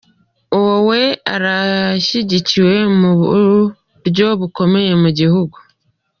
Uwo Weah arashyigikiwe mu buryo bukomeye mu gihugu.